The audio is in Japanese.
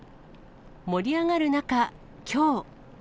盛り上がる中、きょう。